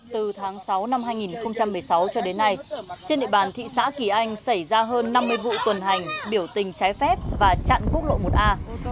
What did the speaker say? từ tháng sáu năm hai nghìn một mươi sáu cho đến nay trên địa bàn thị xã kỳ anh xảy ra hơn năm mươi vụ tuần hành biểu tình trái phép và chặn quốc lộ một a